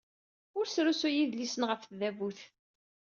Ur srusuy idlisen ɣef tdabut.